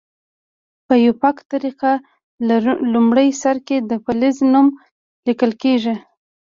په آیوپک طریقه لومړي سر کې د فلز نوم لیکل کیږي.